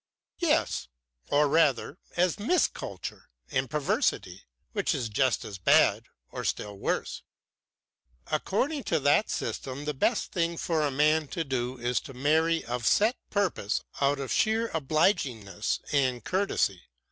"Yes, or rather as mis culture and perversity, which is just as bad or still worse. According to that system the best thing for a man to do is to marry of set purpose out of sheer obligingness and courtesy.